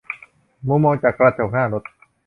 มุมมองจากกระจกหน้ารถ